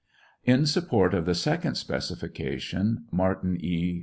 In support of the second specification, Martin E.